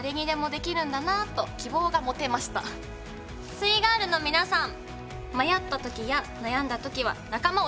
「すイガールのみなさん」。